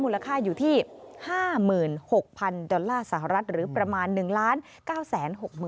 ค่าอยู่ที่๕๖๐๐๐ดอลลาร์สหรัฐหรือประมาณ๑๙๖๐๐๐